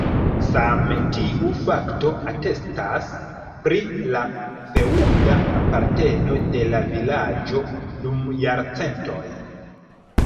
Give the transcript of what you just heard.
Same tiu fakto atestas pri la feŭda aparteno de la vilaĝo dum jarcentoj.